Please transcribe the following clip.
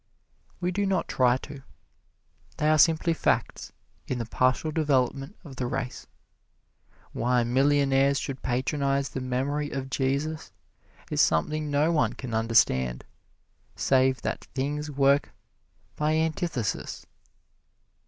We do not try to: they are simply facts in the partial development of the race. Why millionaires should patronize the memory of Jesus is something no one can understand, save that things work by antithesis.